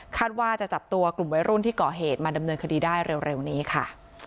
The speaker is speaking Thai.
ว่าจะจับตัวกลุ่มวัยรุ่นที่ก่อเหตุมาดำเนินคดีได้เร็วนี้ค่ะ